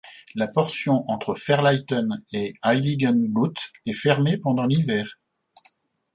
La portion entre Ferleiten et Heiligenblut est fermée pendant l'hiver.